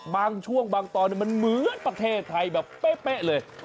บางช่วงบางตอนมันเหมือนประเทศไทยแบบเป๊ะเลย